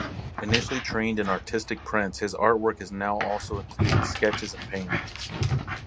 Initially trained in artistic prints his artwork is now also including sketches and paintings.